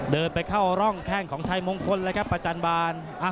เดินไปเข้าร่องแข้งของชัยมงคลเลยครับประจันบาล